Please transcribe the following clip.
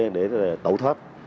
để tẩu thoát